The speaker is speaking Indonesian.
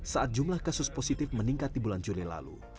saat jumlah kasus positif meningkat di bulan juli lalu